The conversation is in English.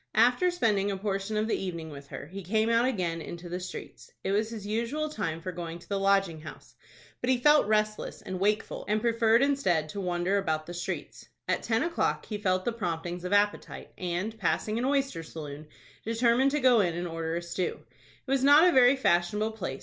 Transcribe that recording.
After spending a portion of the evening with her, he came out again into the streets. It was his usual time for going to the Lodging House; but he felt restless and wakeful, and preferred instead to wander about the streets. At ten o'clock he felt the promptings of appetite, and, passing an oyster saloon, determined to go in and order a stew. It was not a very fashionable place.